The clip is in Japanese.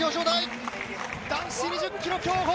男子２０ｋｍ競歩